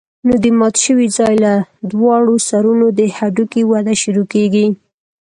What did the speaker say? نو د مات شوي ځاى له دواړو سرونو د هډوکي وده شروع کېږي.